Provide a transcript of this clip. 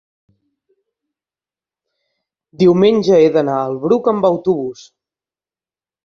diumenge he d'anar al Bruc amb autobús.